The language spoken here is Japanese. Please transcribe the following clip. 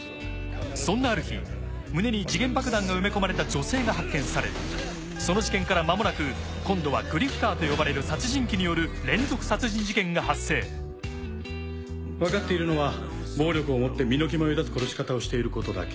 そんなある日胸に時限爆弾が埋め込まれた女性が発見されその事件からまもなく今度はグリフターと呼ばれる殺人鬼による連続殺人事件が発生わかっているのは暴力をもって身の毛もよだつ殺し方をしていることだけ。